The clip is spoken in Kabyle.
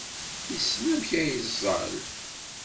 Yessen amek ad yeẓẓal.